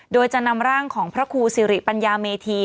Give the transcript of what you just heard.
โดยจะนำร่างของพระครูสิริปัญญาเมธี